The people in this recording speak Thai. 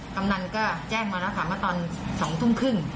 กำนันก็แจ้งมาแล้วค่ะเมื่อตอน๒ทุ่มครึ่ง